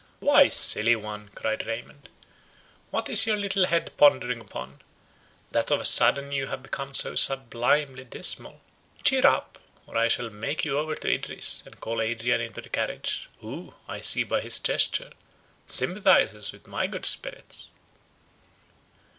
"Why, silly one," cried Raymond, "what is your little head pondering upon, that of a sudden you have become so sublimely dismal? Cheer up, or I shall make you over to Idris, and call Adrian into the carriage, who, I see by his gesture, sympathizes with my good spirits."